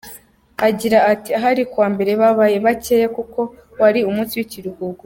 Agira ati “Ahari ku wa mbere babaye bakeya kuko wari umunsi w’ikiruhuko.